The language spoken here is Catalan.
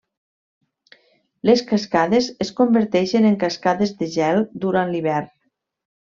Les cascades es converteixen en cascades de gel durant l'hivern.